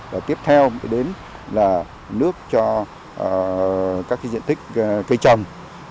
và tiếp theo mới đến là nước cho các cái diện tích cây trồng